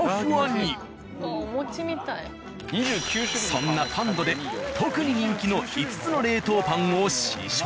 そんなＰａｎ＆で特に人気の５つの冷凍パンを試食。